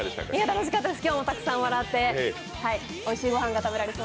楽しかったです。